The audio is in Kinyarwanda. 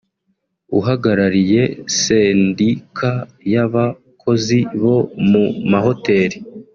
uhagarariye sendika y’abakozi bo mu mahoteli